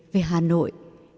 về hà nội